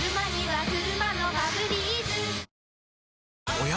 おや？